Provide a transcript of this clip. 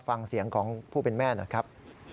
ฟังเสียงของผู้เป็นแม่หน่อยครับ